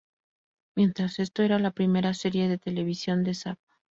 Mientras esto era la primera serie de televisión de Sav!